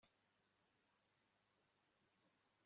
kristu mwami turagusenga, mwami